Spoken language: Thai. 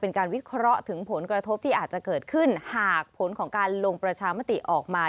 เป็นการวิเคราะห์ถึงผลกระทบที่อาจจะเกิดขึ้นหากผลของการลงประชามติออกมา